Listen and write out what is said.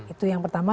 itu yang pertama